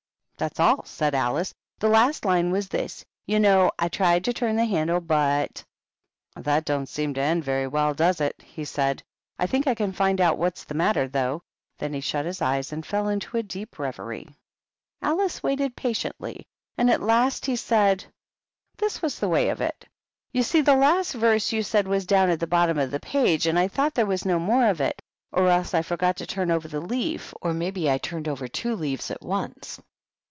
"That's all," said Alice; "the last line was this, you know, —^ I tried to turn the havMe^ hit '" "That d(yn!t seem to end very well, does it?" he said. "I think I can find out what's the matter, though." Then he shut his eyes and fell into a deep revery. Alice waited patiently, and at last he said, " This was the way of it. You see, that last verse you said, was down at the bottom of the page, and I thought there was no more of it. Or else I forgot to turn over the leaf; or maybe I turned over two leaves at once."